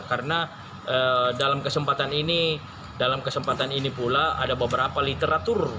karena dalam kesempatan ini dalam kesempatan ini pula ada beberapa literatur